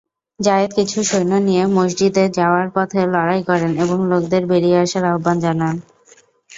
জায়েদ কিছু সৈন্য নিয়ে মসজিদে যাওয়ার পথে লড়াই করেন এবং লোকেদের বেরিয়ে আসার আহ্বান জানান।